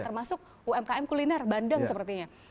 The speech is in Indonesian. termasuk umkm kuliner bandeng sepertinya